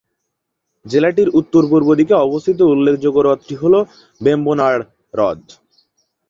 জেলাটির উত্তর-পূর্ব দিকে অবস্থিত উল্লেখযোগ্য হ্রদটি হলো বেম্বনাড় হ্রদ।